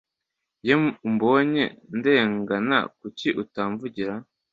Iyo umbonye ndengana kuki utamvugira